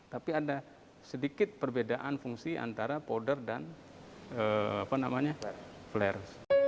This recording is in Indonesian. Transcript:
tapi ada sedikit perbedaan fungsi antara powder dan flare